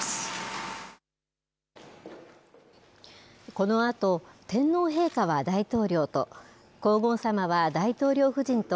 このあと、天皇陛下は大統領と、皇后さまは大統領夫人と、